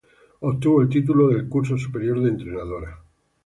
Obtuvo el título del curso superior de entrenadora.